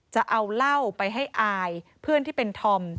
จะเอาเหล้าไปให้อายเพื่อนที่เป็นธอม